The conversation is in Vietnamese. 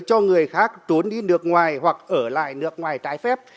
cho người khác trốn đi nước ngoài hoặc ở lại nước ngoài trái phép